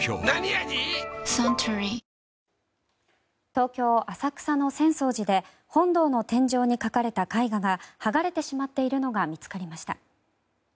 東京・浅草の浅草寺で本堂の天井に描かれた絵画が剥がれてしまっているのが見つかりました。